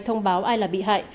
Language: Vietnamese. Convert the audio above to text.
thông báo ai là bị hại